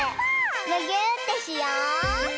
むぎゅーってしよう！